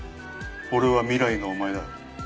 俺は未来のお前だ。